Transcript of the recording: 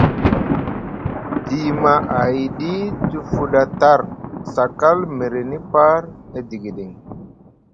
Te yima ahiɗi te fuɗa tar sakal mrini par e digiɗiŋ.